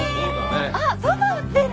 あっそば打ってる。